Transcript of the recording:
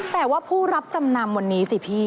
แต่ว่าผู้รับจำนำวันนี้สิพี่